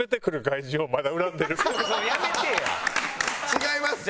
違います。